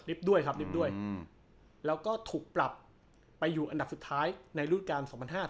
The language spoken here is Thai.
ลิฟท์ด้วยครับแล้วก็ถูกปรับไปอยู่อันดับสุดท้ายในรูดการ๒๐๐๕๒๐๐๖